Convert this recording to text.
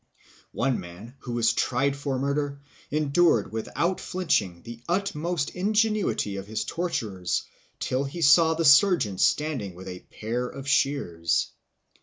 One man, who was tried for murder, endured without flinching the utmost ingenuity of his torturers till he saw the surgeon standing with a pair of shears.